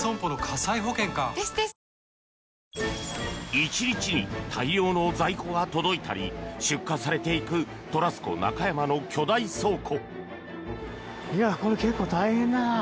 １日に大量の在庫が届いたり出荷されていくトラスコ中山の巨大倉庫。